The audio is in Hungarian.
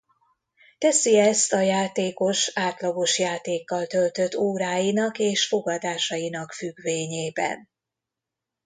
Teszi ezt a játékos átlagos játékkal töltött óráinak és fogadásainak függvényében.